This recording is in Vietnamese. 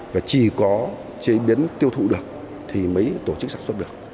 và chỉ có chế biến tiêu thụ được thì mới tổ chức sản xuất được